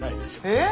えっ？